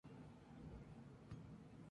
Rosario Central.